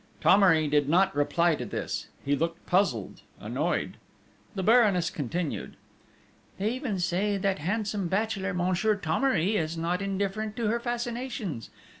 Thomery did not reply to this: he looked puzzled, annoyed.... The Baroness continued: "They even say that handsome bachelor, Monsieur Thomery, is not indifferent to her fascinations!...